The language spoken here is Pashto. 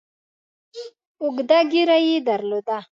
اوږده ږیره یې درلوده.